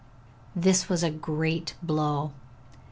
This was a great blow!